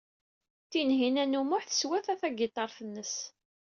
Tinhinan u Muḥ teswata tagiṭart-nnes.